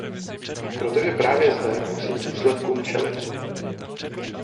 Protože právě zde musí důsledkům čelit.